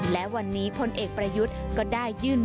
และวันนี้พลเอกประยุทธ์ก็ได้ยื่น